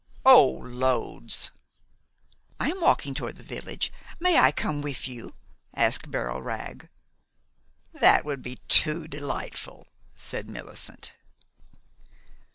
"Oh, loads." "I am walking toward the village. May I come with you?" asked Beryl Wragg. "That will be too delightful," said Millicent.